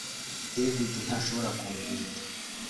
David ntashobora kundinda